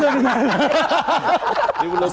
ini balik lagi